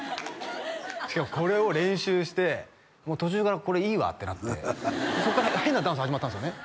しかもこれを練習して途中からこれいいわってなってそこから変なダンス始まったんですよね？